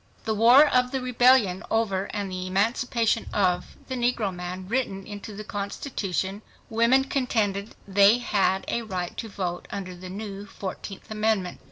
The war of the rebellion over and the emancipation of the negro man written into the constitution, women contended they had a right to vote under the new fourteenth amendment.